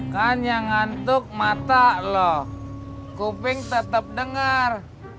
kan yang ngantuk mata lo kuping tetep denger